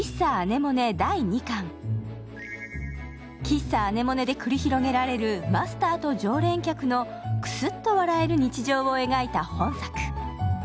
喫茶アネモネで繰り広げられるマスターと常連客のクスッと笑える日常を描いた本作。